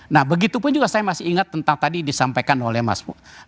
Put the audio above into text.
nah begitu pun juga saya masih ingat tentang tadi disampaikan oleh mas